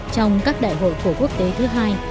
trong các đại hội của quốc tế thứ hai